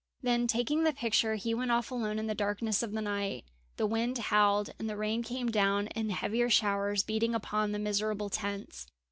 Then taking the picture he went off alone in the darkness of the night. The wind howled, and the rain came down in heavier showers, beating upon the miserable tents.